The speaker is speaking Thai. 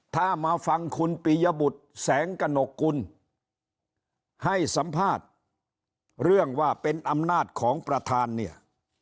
ถ้ามาฟังคุณปียบุตรแสงกระหนกกุลให้สัมภาษณ์เรื่องว่าเป็นอำนาจของประธานเนี่ย